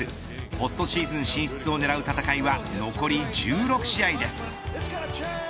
ポストシーズン進出を狙う戦いは残り１６試合です。